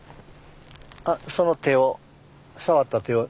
あその手を触った手を。